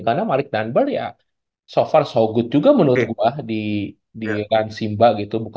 karena malik danbar ya so far so good juga menurut gue di ransimba gitu